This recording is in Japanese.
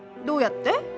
どうやって？